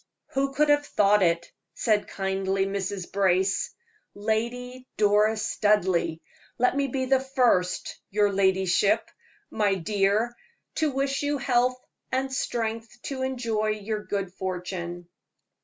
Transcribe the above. "Who could have thought it?" said kindly Mrs. Brace. "Lady Doris Studleigh, let me be the first, your ladyship my dear to wish you health and strength to enjoy your good fortune."